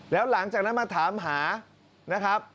แล้วหลังจากนั้นมาถามหานะครับ